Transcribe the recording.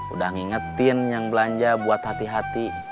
udah ngingetin yang belanja buat hati hati